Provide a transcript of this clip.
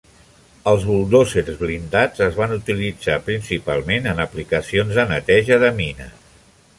Els buldòzers blindats es van utilitzar principalment en aplicacions de neteja de mines.